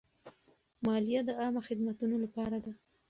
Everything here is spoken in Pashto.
مالیه د عامه خدمتونو لپاره ده.